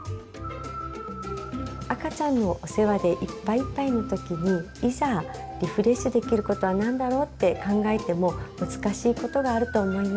赤ちゃんのお世話でいっぱいいっぱいの時にいざリフレッシュできることは何だろうって考えても難しいことがあると思います。